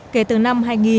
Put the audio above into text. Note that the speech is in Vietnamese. kể từ năm hai nghìn